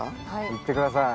いってください。